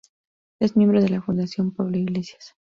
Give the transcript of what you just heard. Es miembro de la Fundación Pablo Iglesias.